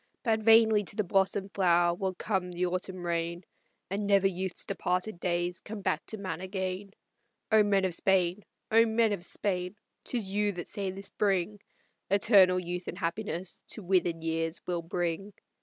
But vainly to the blossomed flower will come the autumn rain, And never youth's departed days come back to man again. O men of Spain! O men of Spain! 'Tis you that say the spring Eternal youth and happiness to withered years will bring!"